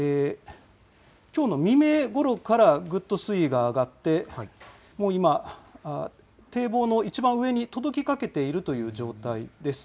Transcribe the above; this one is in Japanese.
きょうの未明ごろからぐっと水位が上がって、もう今、堤防の一番上に届きかけているという状態です。